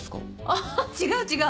あぁ違う違う。